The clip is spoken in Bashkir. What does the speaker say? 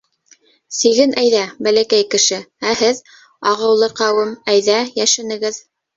Сиген әйҙә, бәләкәй кеше, ә һеҙ, Ағыулы Ҡәүем, әйҙә йәшенегеҙ.